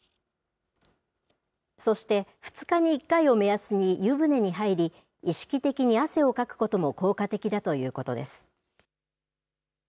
そして２日に１回を目安に湯船に入り、意識的に汗をかくことも効果的だということです。